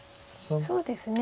そうですね。